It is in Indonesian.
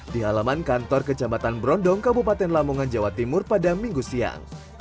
di halaman kantor kecamatan brondong kabupaten lamongan jawa timur pada minggu siang